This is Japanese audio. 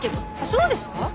そうですか？